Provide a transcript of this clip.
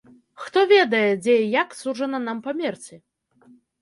Хто ведае, дзе і як суджана нам памерці?